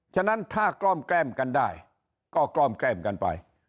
ฉะนั้นถ้ากล้อมแกล้มกันได้ก็กล้อมแกล้มกันไป